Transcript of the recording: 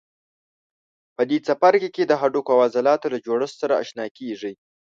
په دې څپرکي کې د هډوکو او عضلاتو له جوړښت سره آشنا کېږئ.